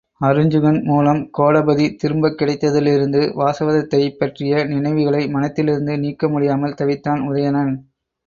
அருஞ்சுகன் மூலம் கோடபதி திரும்பக் கிடைத்ததிலிருந்து வாசவதத்தையைப் பற்றிய நினைவுகளை மனத்திலிருந்து நீக்க முடியாமல் தவித்தான் உதயணன்.